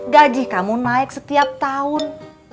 gaji kamu naik setiap tahun